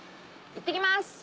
いってきます！